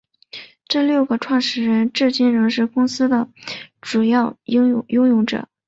这六个创始人至今仍是公司的主要拥有者。